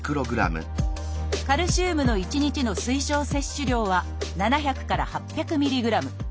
カルシウムの１日の推奨摂取量は７００から８００ミリグラム。